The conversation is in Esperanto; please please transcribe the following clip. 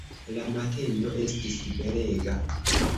La mateno estis belega.